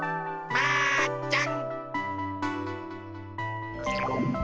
マーちゃん。